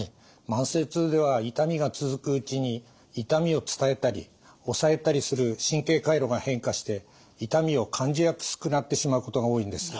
慢性痛では痛みが続くうちに痛みを伝えたり抑えたりする神経回路が変化して痛みを感じやすくなってしまうことが多いんです。